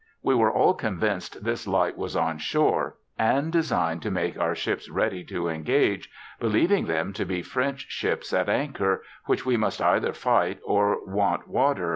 We were all convinced this light was on shore, and designed to make our ships ready to engage, believing them to be French ships at anchor, which we must either fight, or want water," &c.